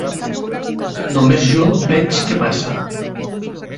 Només jo veig què passa.